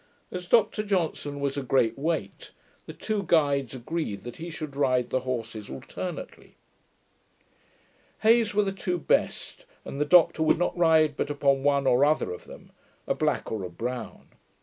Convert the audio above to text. As Dr Johnson was a great weight, the two guides agreed that he should ride the horses alternately. Hay's were the two best, and the Doctor would not ride but upon one or other of them, a black or a brown.